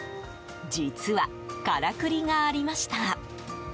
実は、からくりがありました。